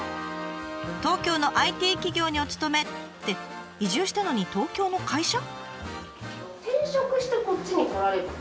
「東京のＩＴ企業にお勤め」って移住したのに東京の会社？